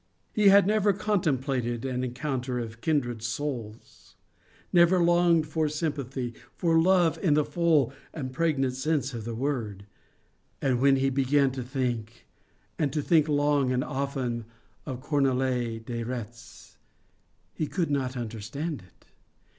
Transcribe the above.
He had never contemplated an encounter of kindred souls, never longed for sympathy, for love in the full and pregnant sense of the word. And, when he began to think and to think long and often of Cornélie de Retz, he could not understand it.